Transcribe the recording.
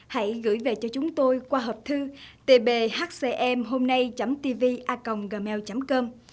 hãy gửi về cho chúng tôi qua hộp thư tbhcmhômnay tvacomgmail com